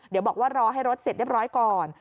เดี๋ยวบอกว่ารอให้รถเสร็จเรียบร้อยก่อน